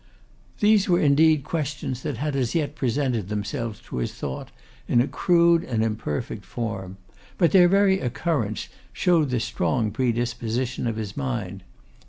These were indeed questions that had as yet presented themselves to his thought in a crude and imperfect form; but their very occurrence showed the strong predisposition of his mind.